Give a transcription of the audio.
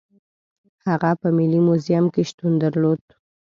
هغه په ملي موزیم کې شتون درلود.